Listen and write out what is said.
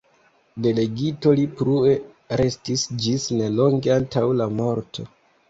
Delegito li plue restis ĝis nelonge antaŭ la morto.